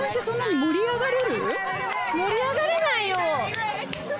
盛り上がれないよ。